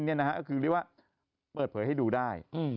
ก็คือเรียกว่าเปิดเผยให้ดูได้